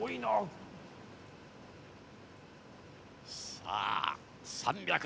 さあ３００